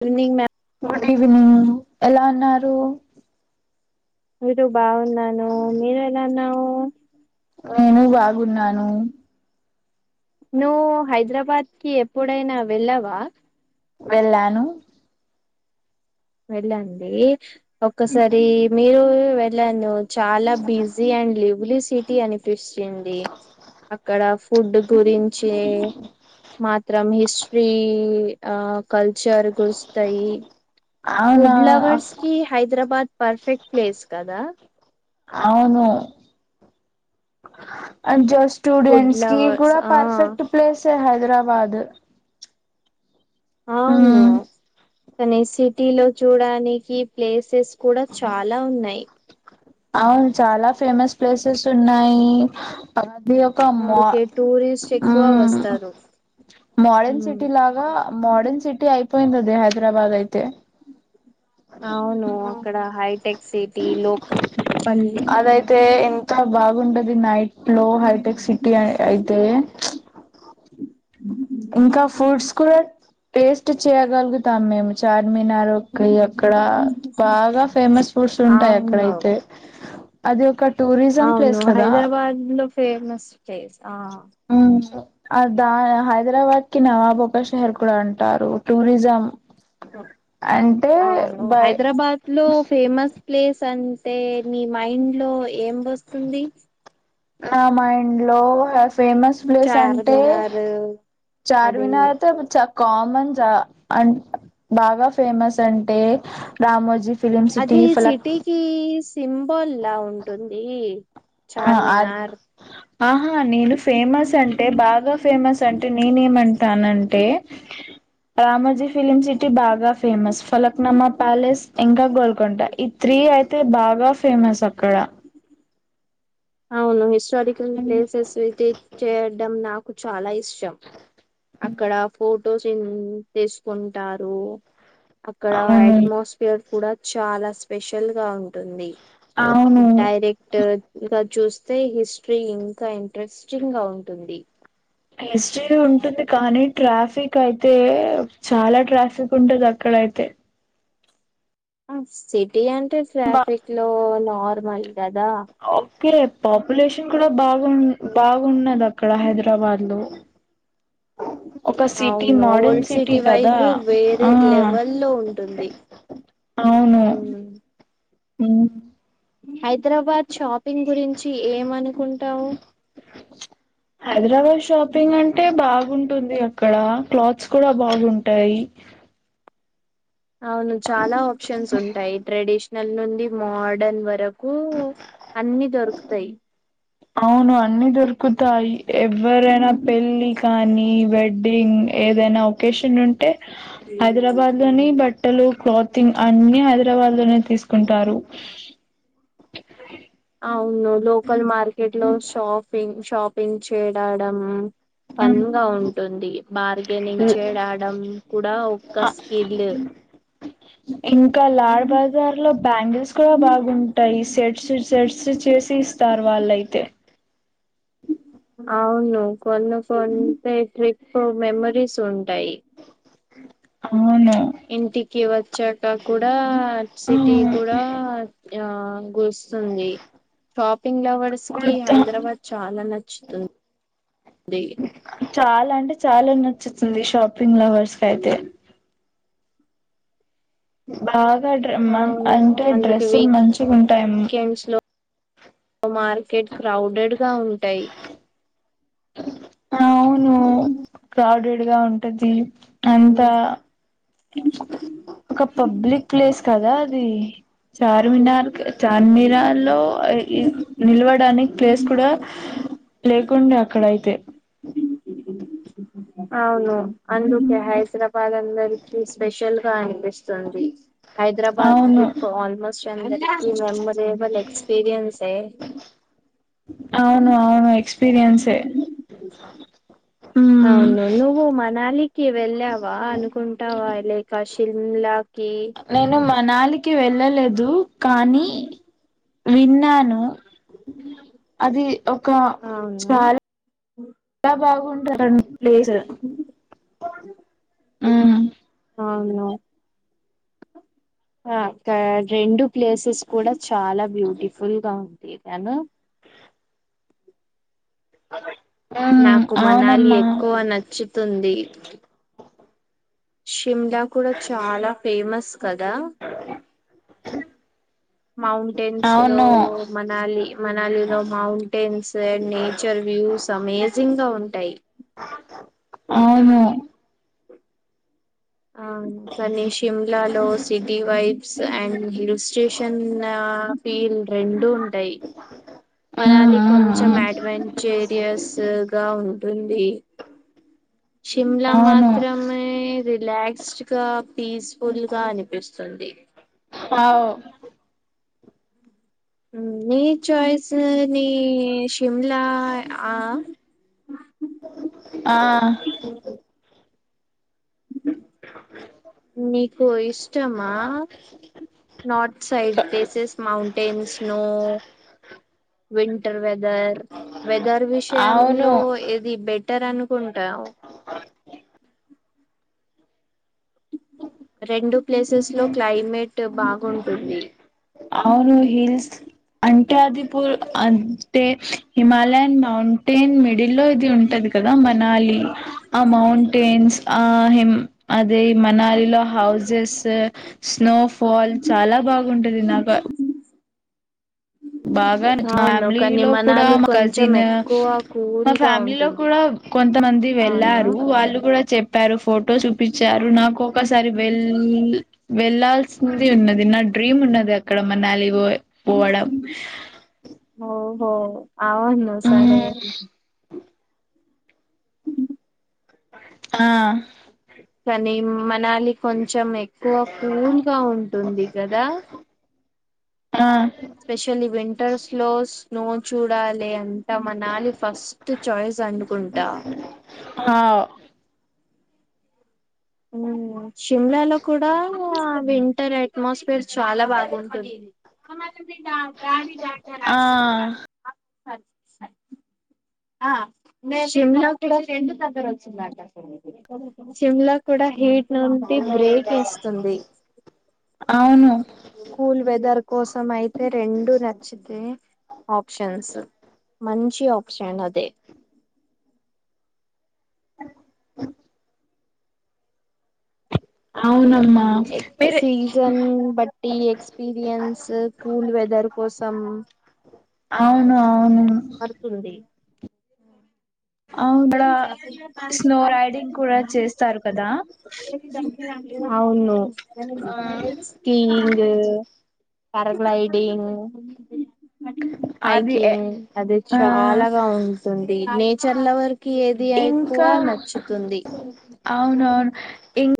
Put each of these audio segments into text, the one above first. Good evening ma'am good evening ఎలా ఉన్నారు? దు బావున్నాను నీవ్ ఎలావున్నావు నేను బాగున్నాను నువ్వు హైదరాబాద్ కి ఎప్పుడైనా వెళ్ళావా వెళ్ళాను వెళ్ళండి ఒక్కసారి మీరు వెళ్ళను చాలా బిజీ అండ్ లివ్లీ సిటీ అనిపించింది అక్కడ ఫుడ్ గురించి మాత్రం హిస్టరీ ఆ కల్చర్ కురుస్తాయి అవునా ఫుడ్ లవర్స్ కి హైదరాబాద్ పర్ఫెక్ట్ ప్లేస్ కదా అవును ఐమ్ జస్ ఫుడ్ స్టూడెంట్స్ కి లవర్స్ కూడా ఆ పర్ఫెక్ట్ ప్లేసే హైదరాబాద్ అవును మ్మ్ కానీ సిటీ లో చూడడానికి ప్లేసెస్ కూడా చాలా ఉన్నాయి అవును చాలా ఫేమస్ ప్లేసెస్ ఉన్నాయీ ఆది ఒక్ మ అందుకే టూరిస్ట్ ఎక్కువ వస్తారు మోడన్ ఉమ్ సిటీ లాగ ఇ మోడర్న్ సిటీ అయిపోయింది అది హైదరాబాద్ అయితే అవును అక్కడ హైటెక్ సిటీ లోకల్ల్ అదయితే ఎంత బాగుంటది నైట్ లో హైటెక్ సిటీ అయితే ఇంకా ఫ్రూట్స్ కూడా టేస్ట్ చేయగలుగుతాం మేము చార్మినార్ ఒక ఎక్కడ బాగా ఫేమస్ ఫుడ్స్ ఉంటాయి అవును అక్కడైతే అది ఒక టూరిజం ప్లేస్ కదా మ ఫేమస్ ప్లేస్ ఆ అవు ఆ దా హైదరాబాద్ కి నవాబ్ ఒక షహర్ కూడా ఉంటారు టూరిజం అంటే అవును బై హైదరాబాద్ లో ఫేమస్ ప్లేస్ అంటే మీ మైండ్ లో ఏం వస్తుంది నా మైండ్ లో ఫేమస్ ప్లేస్ అంటే చార్మినార్ అదే చార్మినార్ చక్క కామన్ జ అ బాగా ఫేమస్ అంటే రామోజీ ఫిలిమ్ సిటీ ఫలక్ కి సింబల్ లా ఉంటుంది ఫలక్ చార్మినార్ ఆహా నేను ఫేమస్ అంటే బాగా ఫేమస్ అంటే నేనేమంటానంటే [inaudible] రామోజీ ఫిలిమ్ సిటీ బాగా ఫేమస్ ఫలక్నమా ప్యాలెస్ ఇంకా గోల్ కుంట ఈ త్రీ అయితే బాగా ఫేమస్ అక్కడ అవును హిస్టారికల్ ప్లేసెస్ విజిట్ చేయడం నాకు చాలా ఇష్టం అక్కడ ఫొటోస్ తీసుకుంటారు అక్కడ అవును అట్మాస్ఫ పర్ కూడా చాలా స్పెషల్ గా ఉంటుంది అవును డైరెక్ట్ ట్ ఇ చూస్తే హిస్టరీ ఇంకా ఇంట్రెస్టింగ్ గా ఉంటుంది హిస్టరీ ఉంటుంది కానీ ట్రాఫిక్ అయితే చాలా ట్రాఫిక్ ఉంటది అక్కడయితే సిటీ అంటే బా ట్రాఫిక్ లో నార్మల్ కదా ఓకే రే పాపులేషన్ కూడా బాగు బాగున్నది అక్కడ హైదరాబాద్ లో ఒక [inaudible] సిటీ అవును మోడర్న్ ఓల్డ్ సిటీ కదా వైబ్ వేరే ఆ లెవెల్ లో ఉంటుంది హ్మ్ ఉ హైదరాబాద్ షాపింగ్ గురించి ఏమనుకుంటావు హైదరాబాద్ షాపింగ్ అంటే బాగుంటుంది అక్కడ క్లాత్స్ కూడా బాగుంటాయి అవును చాలా ఆప్షన్స్ ఉంటాయి ట్రెడిషన్ల్ నెల నుండి మోడన్ వరకు అన్ని దొరుకుతాయి అవును అన్ని దొరుకుతాయి ఎవ్వరైనా పెళ్ళి కానీ వెడ్ వెడ్డింగ్ ఏదైనా ఒకేషన్ ఉంటే హైదరాబాద్ లోనె బట్ బట్టలు క్లాతింగ్ అన్ని హైదరాబాద్ లోనే తీసుకుంటారు అవును లోకల్ మార్కెట్ లో షాపింగ్ షాపింగ్ చేయడం మ్మ్. ఫన్ గా ఉంటుంది బార్గెనింగ్ చేడడం కూడా ఒక ఆ, స్కిల్ ఇంకా లాల్బాగ్ దారి లో బ్యాంగిల్స్ కూడా బాగుంటాయి షెట్స్ షెట్స్ చేసి ఇస్తారు వాళ్ళయితే అవును కొన్ని కొంత ట్రిప్ మెమోరీస్ ఉంటాయి అవును ఇంటికి వచ్చాక కూడా ఆ, సిటీ కూడా ఆ గుస్తుంది షాపింగ్ లవర్స్ కి గుర్తు హైదరాబాద్ చాలా నచ్చుతుంది చాలా అంటే చాలా నచ్చుతుంది షాపింగ్ లవర్స్ కి అయితే బాగా డ అవును అంటే అందుకే డ్రస్సులు మంచిగా ఉంటాయి ఉమ్ వీకెండ్స్ లో మార్కెట్ క్రౌడెడ్ గా ఉంటాయి ఉ కడేడ్ గా ఉంటది ఉమ్, అంతా ఒక పబ్లిక్ ప్లేస్ కదా అది చార్మినార్ చార్మిరార్లో ఇ ఇ నిలవడానికి ప్లేస్ కూడా లేకుండే అక్కడయితే అవును అందుకే హైదరాబాద్ అందరికి స్పెషల్ గా అనిపిస్తుంది హైదరాబాద్ అవును ట్రిప్ ఆల్మోస్ట్ చ మెమోరియబుల్ ఎక్స్పీరియన్సే అవును అవును ఎక్స్పీరియన్సే మ్మ్. అవును నువ్వు మనాలికి వెళ్ళావా అనుకున్ టావ ఇలా శిమ్లాకి నేను మనాలికి వెళ్ళలేదు కానీ విన్నాను అది ఒక అవును చాలా బాగుంటదండి ప్లేస్ ఉహు అవునా ఆ క్క రెండు ప్లేసెస్ కూడా చాలా బ్యూటిఫుల్ గా ఉంటేదను ఉమ్ నాకు మనాలి అవునమ్మా ఎక్కువ నచ్చుతుంది షిమ్లా కూడా చాలా ఫేమస్ కదా మౌంటైన్స్ లో అవును మనాలి మనాలిలో మౌంటైన్స్ దా నేచర్ వ్యూస్ అమేజింగ్ గా ఉంటాయి అవును అ కాని షిమ్లాలో city vibes and hill station ఆ పీల్ రెండూ ఉంటయి ఉమ్ మనాలి ఉమ్ కొంచెం ఉమ్ అడ్వెంచరియస్ గా ఉంటుంది శిమ్లా అవును మాత్రమే రిలాక్ ఇస్ట్ గా పీస్ఫుల్ గా అనిపిస్తుంది అవు నీ చాయిస్ నీ శిమ్లా ఆ ఆ స నీకు ఇష్టమా north side places mountains snow winter weather weather అవును విషయంలో ఇది బెటర్ అనుకుంటావు రెండు ప్లేసెస్ లో క్లైమేట్ బాగుంటుంది అవును హిల్స్ అంటే ఆదిపూర్ అంటే హిమాలయన్ మౌంటైన్ మిడిల్ లో ఇది ఉంటది మనాలీ ఆ మౌంటైన్స్ ఆ హిం అది మనాలిలో హౌసెస్ స్నోఫాల్ చాలా బాగుంటది నాక బాగా మా అవును కానీ ఫ్యామిలీలో కూడా మనాలి మా కొంచెం కజిన్ ఎక్కువ మా కూల్ గా ఫ్యామిలీలో ఉంటుంది కూడా కొంతమంది అవును వెళ్ళారు వాళ్ళు కూడా చెప్పారు ఫోటో చూపించారు నాకు ఒకసారి వెళ్ లీల్ వెళ్లాాల్సినది ఉన్నది నా డ్రీమ్ ఉన్నది అక్కడ మనాలి పో పోవడం ఓహో అవును సరే ఆ కనీమ్ మనాలి కొంచెం ఎక్కువ కూల్ గా ఉంటుంది కదా ఆ స్పెషలీ వింటర్స్ లోస్ నువ్వు చూడాలి అంటా మనాలి ఫస్ట్ చాయిస్ అనుకుంటా ఆవ్ హ్మ్ షిమ్లాలో కూడా వింటర్ అట్మాస్ఫియర్ చాలా బాగున్టుంది ఆ శిమ్లా [inaudible] శిమ్లా కూడా హీట్ నంటి బ్రేక్ ఎస్తుంది అవును కూల్ వెదర్ కోసం అయితే రెండు నచ్చితే ఆప్షన్స్ మంచి ఆప్షన్ అది అవునమ్మా ఎ మీరే సీజన్ బట్టి ఎక్స్పీరియన్స్ కూల్ వెదర్ కోసం అవునవును పడుతుంది అవునా స్నో రైడింగ్ కూడా చేస్తారు కదా అవును స్కీయింగు ప్యారగ్లైడింగ్ అది ఎ హైకింగ్ అది ఆ చాలాగా ఉంటుంది నేచర్ లవర్ కి ఏది ఎక్కువ ఇంకా నచ్చుతుంది అవునవును ఇం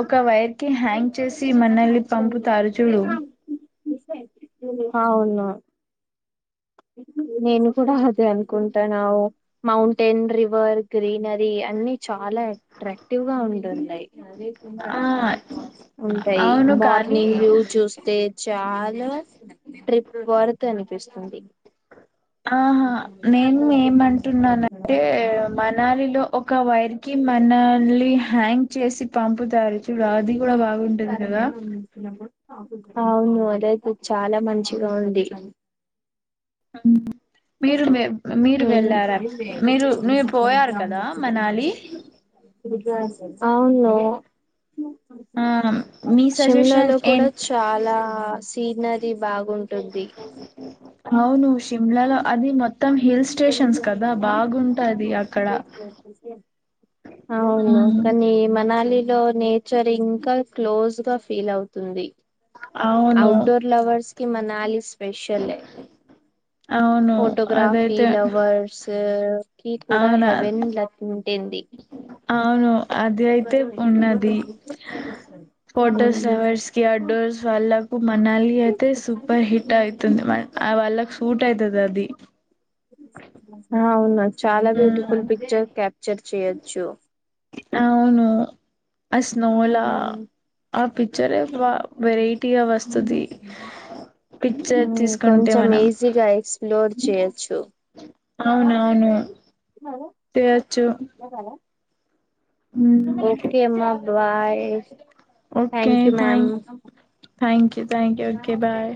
ఒక వైర్ కి హ్యాంగ్ చేసి మనల్ని పంపుతారు చూడు అవును నేను కూడా అదే అనుకుంటానవ్ మౌంటెన్ రివర్ గ్రీనరీ అన్ని చాలా ఎక్ అట్రాక్టివ్గా వుంటున్నయ్ ఆ ఉంటయ్ అవును కానీ మార్నింగ్ వ్యూ చూస్తే చాలా ట్రిప్ వర్త్ అనిపిస్తుంది ఆహా నేను ఏమంటున్నానంటే మన్ మనాలిలో ఒక వైర్ కి మనల్ని హ్యాంగ్ చేసి పంపుతారుచూడు అది కూడా బాగున్టుంది కదా అవును అదయితే చాలా మంచిగా ఉంది మీరు మేమ్ మీరు వెళ్ళారా మీరు మీర్ పోయారు కదా మనాలి అవును ఆ మీ సజెషన్ షిమ్లాలో కూడ ఏంటి చాలా సీనరి బాగుంటుంది అవును షిమ్లాలో అది మొత్ మొత్తం హిల్ స్టేషన్స్ కదా బాగుంటాది అక్కడ సి అవును ఉమ్ కాని మనాలిలో నేచర్ ఇంక క్లోజ్ గా ఫీల్ అవుతుంది అవును ఔట్డోర్ లవర్స్ హి మనాలి స్పెషల్ లే అవును ఫోటోగ్రాఫీ అదైతే లవర్స్ కి కూడా అవునా హెవెన్ ల ఉంటింది అవును అది అయితే ఉన్నది ఉమ్, ఫోటోసవర్స్ కి అవుట్డోర్స్ వల్ల ఇపుడు మనాలి అయితే సూపర్ హిట్ అయితుంది మర్ ఆ వాళ్ళక్ సూట్ అయితది అది ఆ అవును చాలా బ్యూటిఫుల్ ఉమ్ పిక్చర్ క్యాప్చర్ చేయొచ్చు. అవును అ స్నోలా ఉమ్, ఆ పిచ్చరే వ వెరైటీగా వస్తది పిక్చర్ మ్మ్ఁ తీసుకుంటే కొంచెం మనం ఈజీగా ఎక్స్ప్లోర్ తిగోడు చేయొచ్చు అవునవును తీయొచ్చు ఏం కాలే ఒకే అమ్మా bye thank you ma'am thank you thank you okay bye